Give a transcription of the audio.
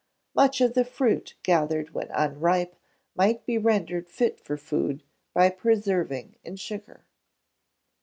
Much of the fruit gathered when unripe might be rendered fit for food by preserving in sugar.